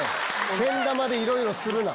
けん玉でいろいろするな！